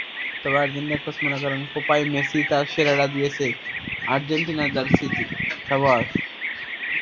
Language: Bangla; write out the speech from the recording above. তবে আর্জেন্টিনা কোচ মনে করেন, কোপায় মেসি তাঁর সেরাটাই দিয়েছেন আর্জেন্টিনার জার্সিতে।